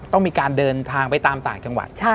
ต้องมีการเดินทางไปตามต่างจังหวัด